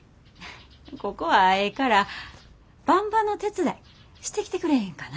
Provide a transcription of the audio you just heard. ここはええからばんばの手伝いしてきてくれへんかな？